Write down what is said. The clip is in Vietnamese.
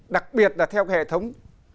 đặc biệt là theo cái hệ thống